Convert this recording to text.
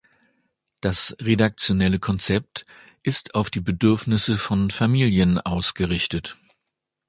Das redaktionelle Konzept ist auf die Bedürfnisse von Familien ausgerichtet.